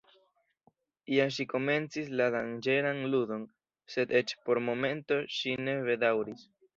Ja ŝi komencis la danĝeran ludon, sed eĉ por momento ŝi ne bedaŭris.